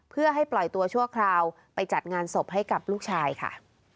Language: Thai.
เพื่อให้ปล่อยตัวชั่วคราวไปจัดงานศพให้กับลูกชายค่ะ